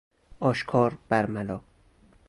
آشکار برملا